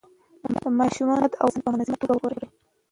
د ماشومانو قد او وزن په منظمه توګه وګورئ.